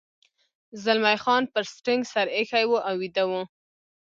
زلمی خان پر سټرینګ سر اېښی و او ویده و.